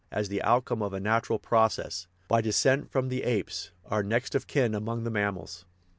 s the outcome of a natural process, by "descent from the apes," our next of kin among the mammals.